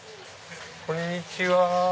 こんにちは。